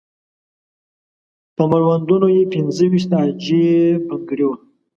په مړوندونو یې پنځه ويشت عاجي بنګړي وو.